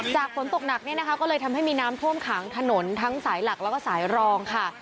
ฝนตกหนักเนี่ยนะคะก็เลยทำให้มีน้ำท่วมขังถนนทั้งสายหลักแล้วก็สายรองค่ะ